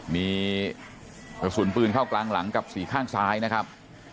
มีกระสุนปืนเข้ากลางหลังกับสี่ข้างซ้ายนะครับ